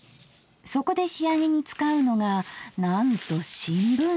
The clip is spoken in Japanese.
そこで仕上げに使うのがなんと新聞紙。